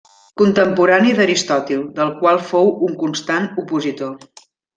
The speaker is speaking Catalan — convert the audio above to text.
Contemporani d'Aristòtil, del qual fou un constant opositor.